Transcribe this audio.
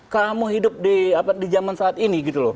kamu hidup di zaman saat ini